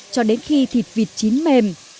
cho đến khi thịt vịt chín mềm